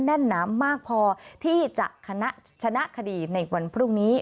แน่นหนามมากพอที่จะชนะคดีในวันพรุ่งนี้